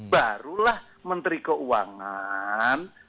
barulah menteri keuangan